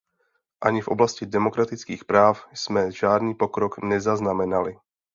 Ani v oblasti demokratických práv jsme žádný pokrok nezaznamenali.